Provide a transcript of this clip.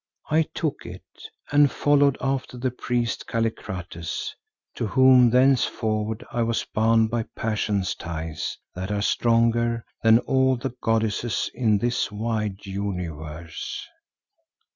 "I took it and followed after the priest Kallikrates, to whom thenceforward I was bound by passion's ties that are stronger than all the goddesses in this wide universe."